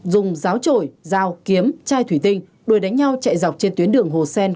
dùng ráo trổi rào kiếm chai thủy tinh đuổi đánh nhau chạy dọc trên tuyến đường hồ sen